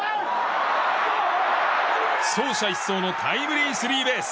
走者一掃のタイムリースリーベース。